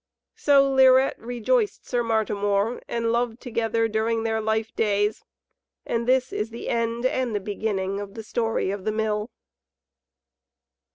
So Lirette rejoiced Sir Martimor and loved together during their life days; and this is the end and the beginning of the Story of the Mill.